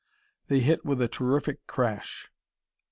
They hit with a terrific crash.